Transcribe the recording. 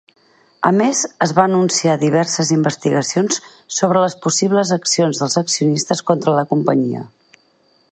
A més, es van anunciar diverses investigacions sobre les possibles accions dels accionistes contra la companyia.